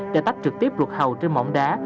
để tách trực tiếp ruột hầu trên mỏm đá